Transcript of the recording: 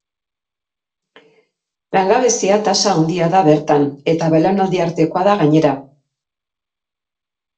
Langabezia tasa handia da bertan eta belaunaldi artekoa, da gainera.